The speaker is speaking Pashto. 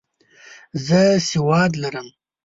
زه سواد لرم.